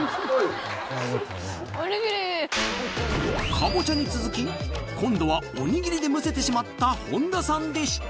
カボチャに続き今度はおにぎりでむせてしまった本田さんでした！